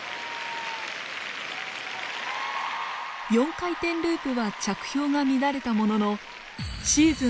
４回転ループは着氷が乱れたもののシーズン